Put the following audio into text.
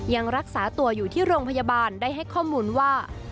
ยังรักษาตัวอยู่ที่โรงพยาบาลได้ให้ข้อมูลว่า